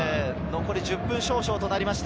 残り１０分少々となりました。